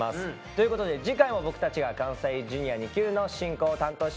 ということで次回も僕たちが「関西Ｊｒ．にＱ」の進行を担当します。